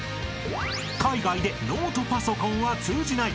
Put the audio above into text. ［海外で「ノートパソコン」は通じない。